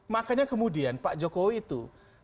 makanya kemudian pak jokowi itu